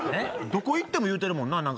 どこ行ってもいうてるもんな。